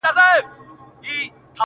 پټول به یې د ونو شاته غاړه-